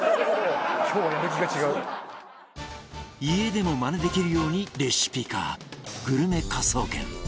家でもマネできるようにレシピ化グルメ科捜研